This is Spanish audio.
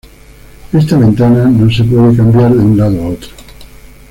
Esta ventana no se puede cambiar de un lado a otro.